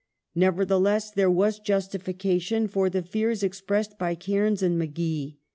Nevertheless, there was justification for the fears expressed by Cairns and Magee.